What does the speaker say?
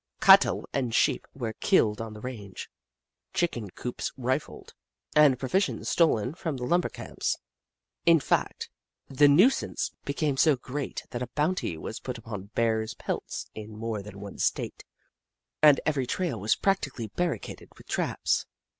Cattle and sheep were killed on the range, chicken coops rifled, and provisions stolen from the lumber camps. In fact, the nuisance became so great that a bounty was put upon Bear pelts in more than one State and every trail was practically barricaded with traps.